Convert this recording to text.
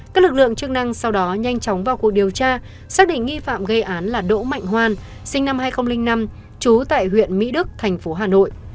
các lực lượng chức năng sau đó nhanh chóng vào cuộc điều tra xác định nghi phạm gây án là đỗ mạnh hoan sinh năm hai nghìn năm trú tại huyện mỹ đức thành phố hà nội